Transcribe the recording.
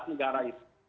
dua belas negara itu